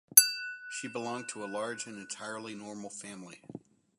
She belonged to a large and entirely normal family.